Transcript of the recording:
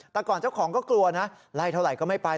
แต่ก่อนเจ้าของก็กลัวนะไล่เท่าไหร่ก็ไม่ไป